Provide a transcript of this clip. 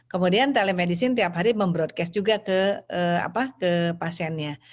kemudian telemedicine tiap hari mem broadcast juga ke pasiennya